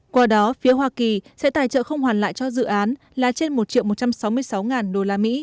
qua đó phía hoa kỳ sẽ tài trợ không hoàn lại cho dự án là trên một một trăm sáu mươi sáu usd